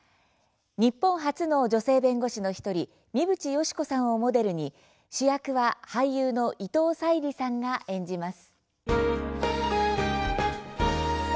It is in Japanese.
日本初の女性弁護士の１人三淵嘉子さんをモデルに主役は俳優の伊藤沙莉さんが演じます。